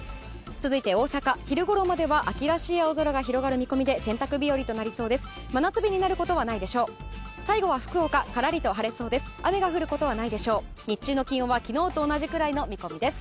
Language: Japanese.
続いて大阪、昼ごろまでは秋らしい青空が広がり洗濯日和となりそうです。